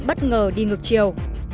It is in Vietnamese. bất ngờ đi ngược chiều